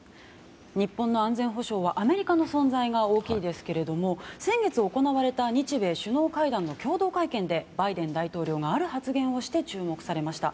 日本の安全保障はアメリカの存在が大きいですが先月行われた日米首脳会談の共同会見でバイデン大統領がある発言をして注目されました。